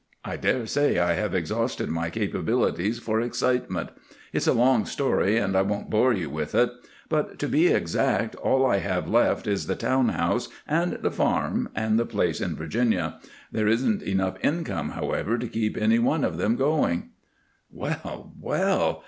I dare say I have exhausted my capabilities for excitement. It's a long story, and I won't bore you with it, but, to be exact, all I have left is the town house and the farm and the place in Virginia. There isn't enough income, however, to keep any one of them going." "Well, well!